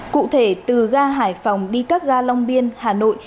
cụ thể từ ga hải phòng đi các ga long biên hà nội